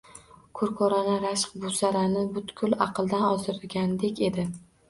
Ko`r-ko`rona rashk Buvsarani butkul aqdan ozdirgandek edi